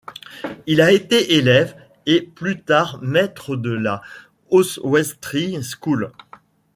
Il a été élève et plus tard maître de la Oswestry School.